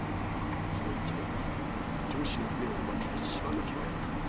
その一念で漁師の舟を奪って島抜けをやったんだ。